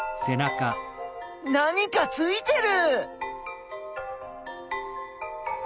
何かついてる！